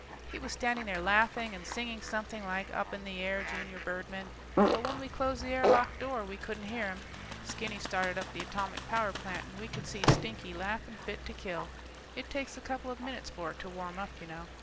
He was standing there laughing and singing something like up in the air junior birdmen, but when we closed the air lock door, we couldn't hear him. Skinny started up the atomic power plant, and we could see Stinky laughing fit to kill. It takes a couple of minutes for it to warm up, you know.